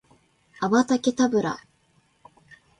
アバタケタブラ